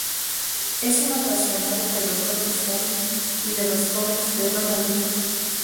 Es un apasionado de los Rolling Stones y de los cómics de Donald Duck.